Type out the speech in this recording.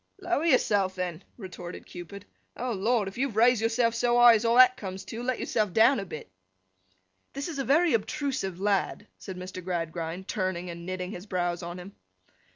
'Lower yourself, then,' retorted Cupid. 'Oh Lord! if you've raised yourself so high as all that comes to, let yourself down a bit.' 'This is a very obtrusive lad!' said Mr. Gradgrind, turning, and knitting his brows on him.